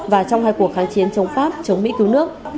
và trong hai cuộc kháng chiến chống pháp chống mỹ cứu nước